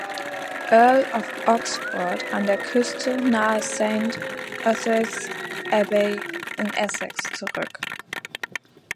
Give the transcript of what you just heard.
Earl of Oxford an der Küste nahe St Othyth’s Abbey in Essex zurück.